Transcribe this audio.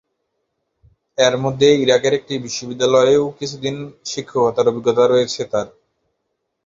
এরমধ্যে ইরাকের একটি বিশ্ববিদ্যালয়েও কিছুদিন শিক্ষকতার অভিজ্ঞতা রয়েছে তার।